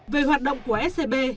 về hoạt động của scb